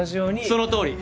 そのとおり。